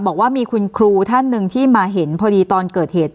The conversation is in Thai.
บอกว่ามีคุณครูท่านหนึ่งที่มาเห็นพอดีตอนเกิดเหตุ